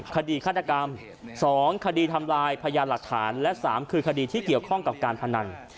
คดีฆาตกรรม๒คดีทำลายพยานหลักฐานและ๓คือคดีที่เกี่ยวข้องกับการพนัน